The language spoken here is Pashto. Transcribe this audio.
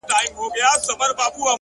وخت د فرصتونو ارزښت ښکاره کوي.